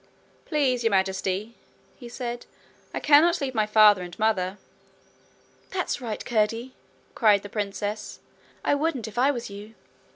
'Please, Your Majesty,' he said, 'I cannot leave my father and mother.' 'That's right, Curdie!' cried the princess. 'I wouldn't if I was you.'